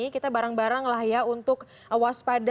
kita barang barang lah ya untuk waspada